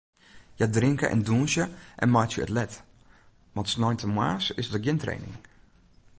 Hja drinke en dûnsje en meitsje it let, want sneintemoarns is der gjin training.